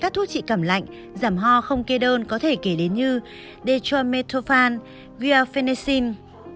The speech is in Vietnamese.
các thuốc trị cảm lạnh giảm ho không kê đơn có thể kể đến như dextromethulfan guiafenazine